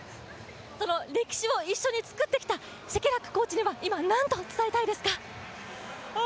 その歴史を一緒に作ってきたシェケラックコーチには今、何と伝えたいですか？